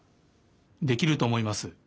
できるとおもいます。